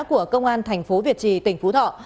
của công an thành phố việt trì tỉnh phú thọ